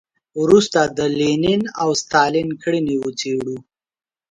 وروسته د لینین او ستالین کړنې وڅېړو.